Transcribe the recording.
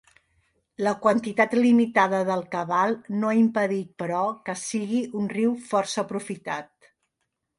La quantitat limitada del cabal no ha impedit però que sigui un riu força aprofitat.